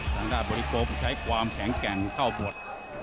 สำหรับบริโภคใช้ความแข็งแกร่งเข้าบท